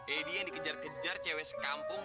edi yang dikejar kejar cewek sekampung